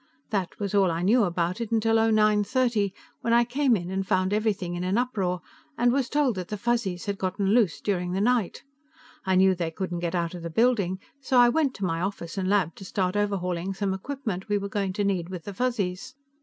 That was all I knew about it till o nine thirty, when I came in and found everything in an uproar and was told that the Fuzzies had gotten loose during the night. I knew they couldn't get out of the building, so I went to my office and lab to start overhauling some equipment we were going to need with the Fuzzies.